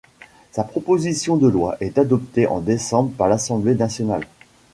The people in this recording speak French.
Sa proposition de loi est adoptée en décembre par l’Assemblée nationale.